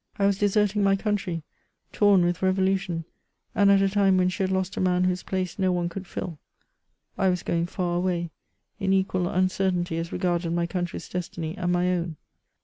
I was deserting my country, torn with revo lution, and at a time when she had lost a man whose place no one could fill ; I was going far away, in equal uncertainty as regarded my country's destiny and my own.